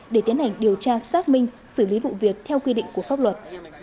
để tiến hành điều tra xác minh xử lý vụ việc theo quy định của pháp luật